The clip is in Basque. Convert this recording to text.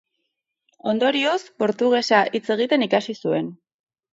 Ondorioz, Portugesa hitz egiten ikasi zuen.